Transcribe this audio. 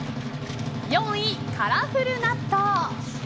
４位、カラフル納豆。